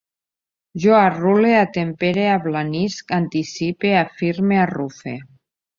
Jo arrele, atempere, ablanisc, anticipe, afirme, arrufe